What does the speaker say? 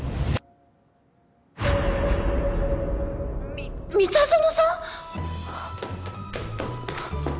み三田園さん！？